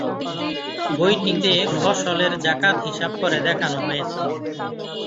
বইটিতে ফসলের যাকাত হিসাব করে দেখানো হয়েছে।